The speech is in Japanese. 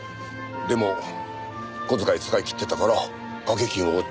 でも小遣い使い切ってたから掛け金をちょっと拝借。